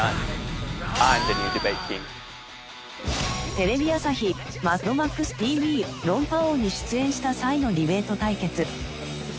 テレビ朝日『マッドマックスＴＶ論破王』に出演した際のディベート対決。